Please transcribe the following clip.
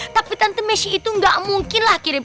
tapi tante messi itu gak mungkin lah kirim kirim